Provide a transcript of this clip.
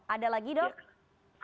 ada lagi dok